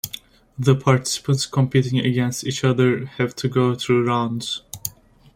The participants competing against each other have to go through rounds.